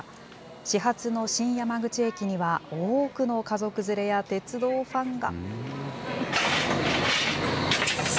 始発の新山口駅には多くの家族連れや鉄道ファンが。